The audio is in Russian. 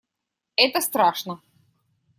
Это страшно.